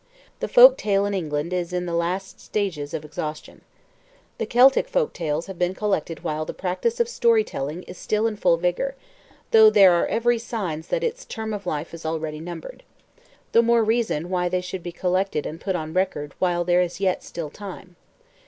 The folk tale in England is in the last stages of exhaustion. The Celtic folk tales have been collected while the practice of story telling is still in full vigour, though there are every signs that its term of life is already numbered. The more the reason why they should be collected and put on record while there is yet time.